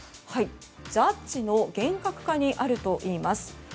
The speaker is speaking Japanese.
ジャッジの厳格化にあるといいます。